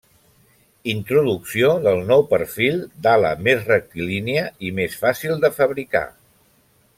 Introducció del nou perfil d'ala més rectilínia i més fàcil de fabricar.